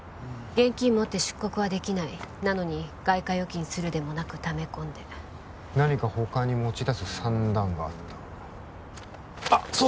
現金持って出国はできないなのに外貨預金するでもなくため込んで何か他に持ち出す算段があったあっ